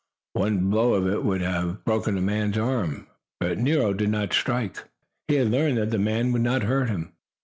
One blow of it would have broken the man's arm, but Nero did not strike the blow. He had learned that the man would not hurt him.